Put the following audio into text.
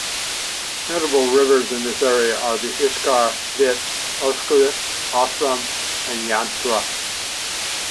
Notable rivers in the area are the Iskar, Vit, Ogosta, Osam and Yantra.